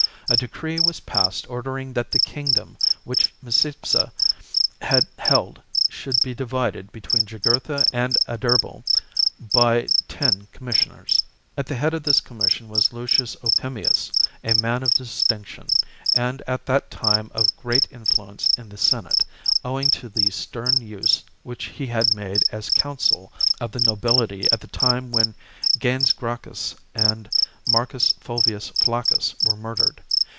A decree was passed ordering that the king dom which Micipsa had held should be divided between Jugurtha and Adherbal by ten commis sioners. At the head of this commission was Lucius Opimius, a man of distinction, and at that time of great influence in the Senate, owing to the stern use which he had made as consul of the victory of the nobility at the time when Gaius Gracchus and Marcus Fulvius Flaccus were murdered.